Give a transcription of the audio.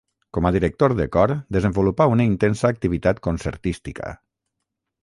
Com a director de cor desenvolupà una intensa activitat concertística.